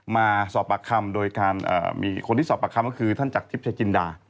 มาสอบปากคำโดยการมีคนที่สอบปากคำก็คือท่านจากทิพย์ชายจินดา